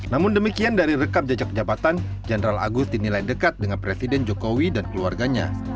namun demikian dari rekam jejak jabatan jenderal agus dinilai dekat dengan presiden jokowi dan keluarganya